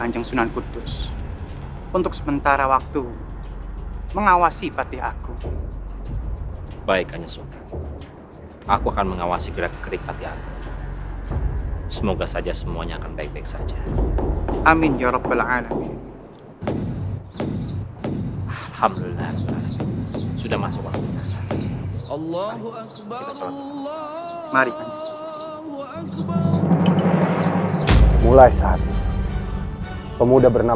jangan lupa untuk berhenti mencari kesalahan